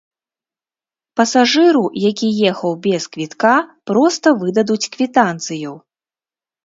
Пасажыру, які ехаў без квітка, проста выдадуць квітанцыю.